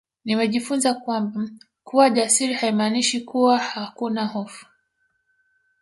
Nimejifunza kwamba kuwa jasiri haimaanishi kuwa hakuna hofu